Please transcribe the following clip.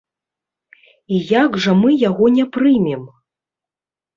І як жа мы яго не прымем?